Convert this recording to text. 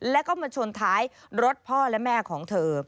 แล้วก็มาชนท้ายรถพ่อและแม่ของเธอ